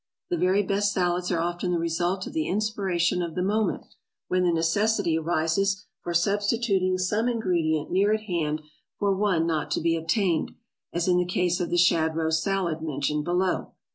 The very best salads are often the result of the inspiration of the moment, when the necessity arises for substituting some ingredient near at hand for one not to be obtained, as in the case of the shad roe salad mentioned below.